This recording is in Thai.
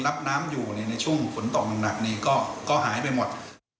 รับน้ำอยู่ในช่วงฝนตกหนักนี่ก็หายไปหมด